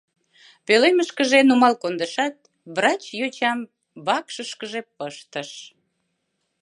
Пӧлемышкыже нумал кондышат, врач йочам вакшышкыже пыштыш.